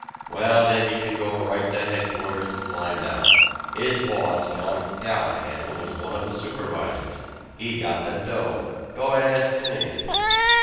"Well, then, you can go right to headquarters and find out. His boss, John Callahan, was one of the supervisors he got the dough. Go and ask Finnegan."